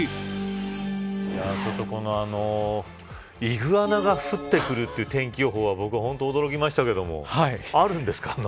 ちょっと、このイグアナが降ってくるって天気予報は僕は、本当に驚きましたけどあるんですか。